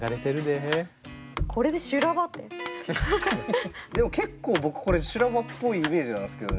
でも結構僕これ修羅場っぽいイメージなんですけどね